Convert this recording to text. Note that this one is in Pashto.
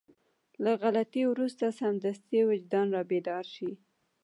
له غلطي وروسته سمدستي وجدان رابيدار شي.